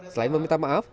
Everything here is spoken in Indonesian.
selain meminta maaf